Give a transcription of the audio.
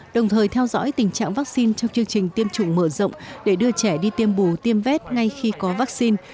đồng thời theo dõi tình trạng vaccine trong chương trình tiêm chủng mở rộng để đưa trẻ đi tiêm bù tiêm vét ngay khi có vaccine